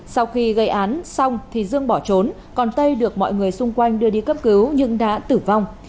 sau khi gây án xong thì dương bỏ trốn còn tây được mọi người xung quanh đưa đi cấp cứu nhưng đã tử vong